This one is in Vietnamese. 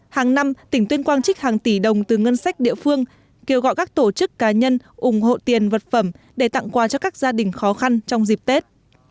hàng năm tỉnh tuyên quang trích hàng tỷ đồng từ ngân sách địa phương kêu gọi các tổ chức cá nhân ủng hộ tiền vật phẩm để tặng quà cho các gia đình khó khăn trong dịp tết